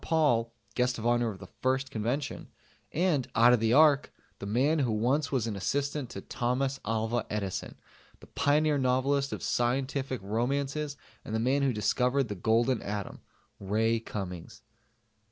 Paul (Guest of Honor of the first Convention), and out of the Ark the man who once was an assistant to Thomas Alva Edison, the pioneer novelist of scientific romances and the man who discovered the Golden Atom Ray Cummings.